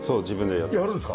やるんですか？